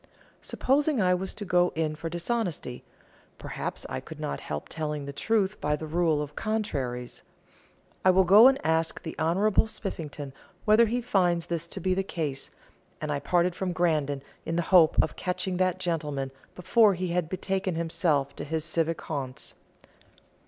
Supposing I was to go in for dishonesty, perhaps I could not help telling the truth by the rule of "contraries." I will go and ask the Honourable Spiffington whether he finds this to be the case, and I parted from Grandon in the hope of catching that gentleman before he had betaken himself to his civic haunts.